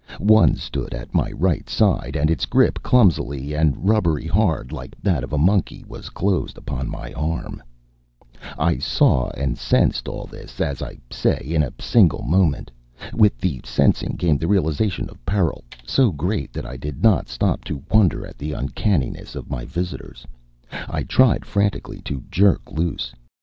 One stood at my right side, and its grip, clumsy and rubbery hard like that of a monkey, was closed upon my arm. I saw and sensed all this, as I say, in a single moment. With the sensing came the realization of peril, so great that I did not stop to wonder at the uncanniness of my visitors. I tried frantically to jerk loose.